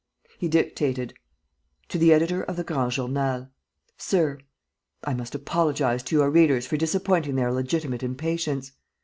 He dictated: "To the Editor of the Grand Journal: "SIR, "I must apologize to your readers for disappointing their legitimate impatience.